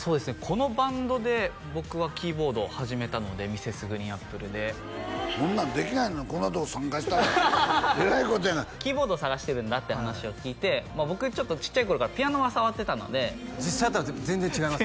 このバンドで僕はキーボードを始めたのでＭｒｓ．ＧＲＥＥＮＡＰＰＬＥでそんなんできないのにこんなとこ参加したいってえらいことやがなキーボードを探してるんだって話を聞いて僕ちょっとちっちゃい頃からピアノは触ってたので実際やったら全然違います？